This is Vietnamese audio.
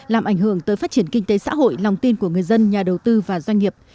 làm ảnh hưởng tới phát triển kinh tế xã hội lòng tin của người dân nhà đầu tư và doanh nghiệp